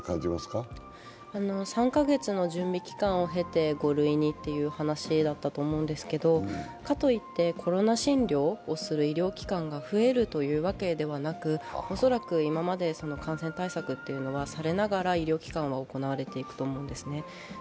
３か月の準備期間を経て５類にという話だったと思いますがかといって、コロナ診療をする医療機関が増えるわけではなく、恐らく今まで感染対策というのはされながら医療機関は行われていくと思うんですね。